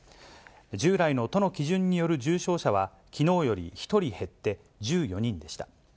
従来の都の基準による重症者は、きのうより１人減って１４人でした。